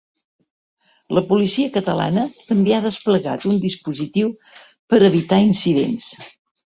La policia catalana també ha desplegat un dispositiu per a evitar incidents.